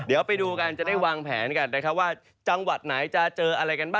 เดี๋ยวไปดูกันจะได้วางแผนกันนะครับว่าจังหวัดไหนจะเจออะไรกันบ้าง